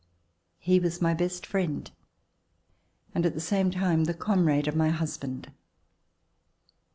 He was my best friend and at the same time the comrade of my husband.